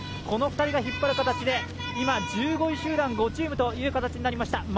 この２人が引っ張る形で今、１５位集団、５チームという形となりました。